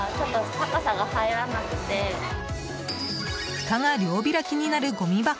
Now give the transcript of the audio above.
ふたが両開きになるごみ箱